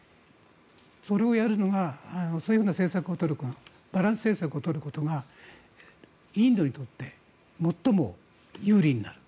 それをやるのがそういう政策を取るバランス政策を取ることがインドにとって最も有利になる。